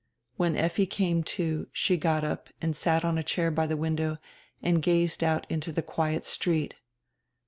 When Effi came to she got up and sat on a chair by the window and gazed out into die quiet street.